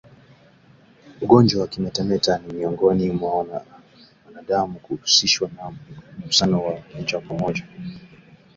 ugonjwa wa kimeta miongoni mwa wanadamu huhusishwa na mgusano wa moja kwa moja